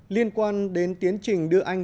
liên quan đến tiến trình đưa anh